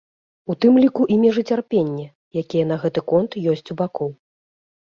У тым ліку і межы цярпення, якія на гэты конт ёсць у бакоў.